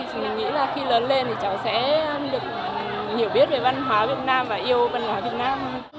cháu nghĩ là khi lớn lên thì cháu sẽ được hiểu biết về văn hóa việt nam và yêu văn hóa việt nam hơn